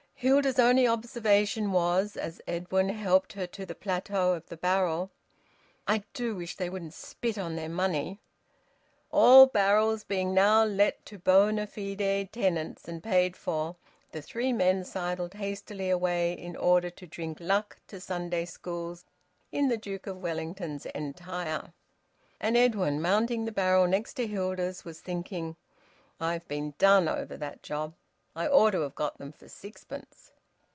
Hilda's only observation was, as Edwin helped her to the plateau of the barrel: "I do wish they wouldn't spit on their money." All barrels being now let to bona fide tenants and paid for, the three men sidled hastily away in order to drink luck to Sunday schools in the Duke of Wellington's Entire. And Edwin, mounting the barrel next to Hilda's, was thinking: "I've been done over that job. I ought to have got them for sixpence."